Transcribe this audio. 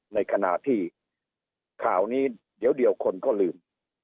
ในขณะที่ข่าวนี้เดี๋ยวคนก็ลืม